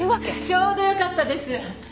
ちょうどよかったです。